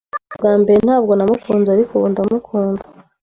Ubwa mbere ntabwo namukunze, ariko ubu ndamukunda.